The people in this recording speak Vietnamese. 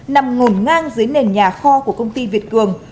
nằm ngổn ngang dưới nền nhà kho của công ty việt cường